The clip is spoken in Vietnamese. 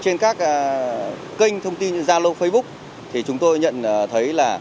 trên các kênh thông tin zalo facebook thì chúng tôi nhận thấy là